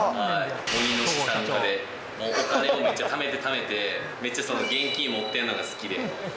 鬼の資産家で、もうお金をめっちゃためてためて、めっちゃ現金持ってるのが好きで。